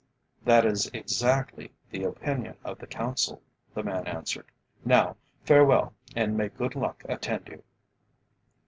"That is exactly the opinion of the Council," the man answered. "Now, farewell, and may good luck attend you!"